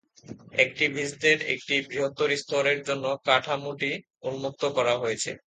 একটিভিস্টদের একটি বৃহত্তর স্তরের জন্য কাঠামোটি "উন্মুক্ত" করা হয়েছে।